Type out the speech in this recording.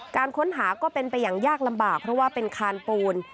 การค้นหาก็เป็นไปอย่างยากลำบากเพราะว่าเป็นคานปูน